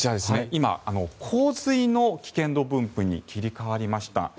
今、洪水の危険度分布に切り替わりました。